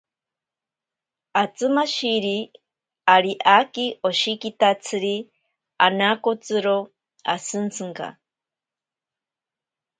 Atsimashiri ari aaki oshekitatsiri anakotsiro ashintsinka.